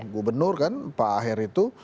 gubernur kan pak aher itu